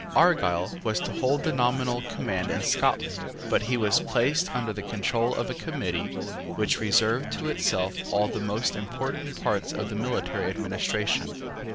Argyle was to hold the nominal command in Scotland: but he was placed under the control of a Committee which reserved to itself all the most important parts of the military administration.